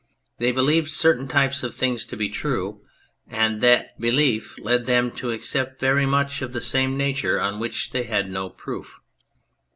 They believed certain types of things to be true, and that belief led them to accept very much of the same nature on which they had no proof.